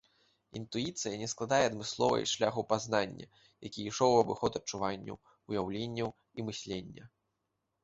Інтуіцыя не складае адмысловай шляху пазнання, які ішоў у абыход адчуванняў, уяўленняў і мыслення.